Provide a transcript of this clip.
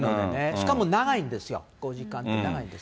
しかも長いんですよ、５時間って、こういう時間って長いんです。